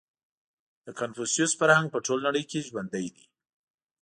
• د کنفوسیوس فرهنګ په ټوله نړۍ کې ژوندی دی.